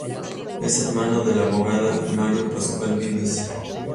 Es hermano del abogado Mario Pascual Vives.